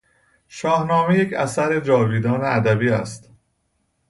شاهنامه یک اثر جاویدان ادبی است.